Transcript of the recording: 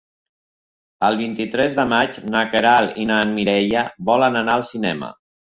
El vint-i-tres de maig na Queralt i na Mireia volen anar al cinema.